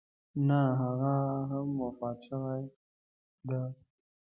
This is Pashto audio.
نه هغه هم وفات شوې ده.